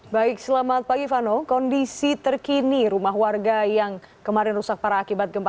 baik selamat pagi vano kondisi terkini rumah warga yang kemarin rusak parah akibat gempa